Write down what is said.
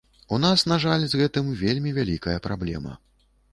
У нас, на жаль, з гэтым вельмі вялікая праблема.